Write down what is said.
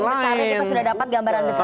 kita sudah dapat gambaran besar